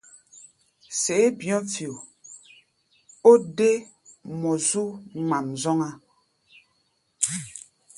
Séé bi̧ɔ̧́-fio o dé mɔ zu ŋmaʼm zɔ́ŋá.